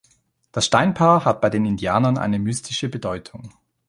Das Steinpaar hat bei den Indianern eine mystische Bedeutung.